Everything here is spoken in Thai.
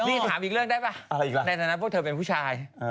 นี่ถามอีกเรื่องได้ป่ะในฐานะพวกเธอเป็นผู้ชาย